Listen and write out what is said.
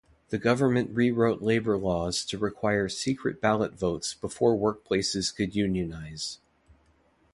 The government rewrote labour laws to require secret ballot votes before workplaces could unionize.